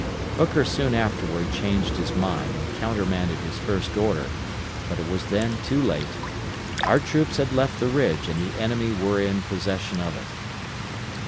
Hooker soon afterward changed his mind and countermanded his first order, but it was then too late; our troops had left the ridge and the enemy were in possession of it.